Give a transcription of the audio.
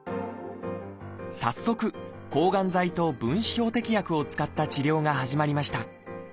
早速抗がん剤と分子標的薬を使った治療が始まりました。